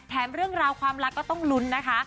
เรื่องราวความรักก็ต้องลุ้นนะคะ